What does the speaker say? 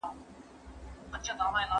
یاجوج ماجوج دي ښه په خبر یې